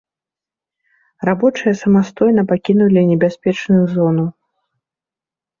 Рабочыя самастойна пакінулі небяспечную зону.